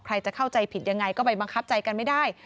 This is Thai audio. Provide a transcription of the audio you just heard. ใครจะเข้าใจผิดยังไงก็ไปบังคับใจกันไม่ได้